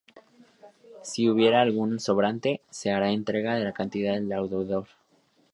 Si hubiere algún sobrante, se hará entrega de la cantidad al deudor.